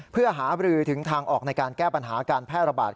เพื่อหาบรือถึงทางออกในการแก้ปัญหาการแพร่ระบาด